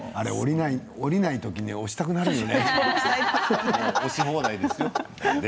降りない時に押したくなるよね。